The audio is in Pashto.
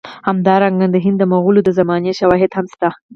همدارنګه د هند د مغولو د زمانې شواهد هم شته.